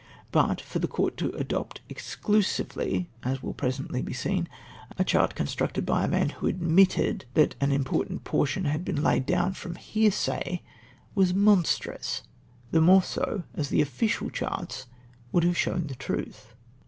But for the court to adopt exchisivel//, as will presently be seen, a chart constructed Ijy a man who admitted that an im portant portion had been laid down from liearsaij, was monstrous ; the more so, as the official charts, woiild have shown the truth.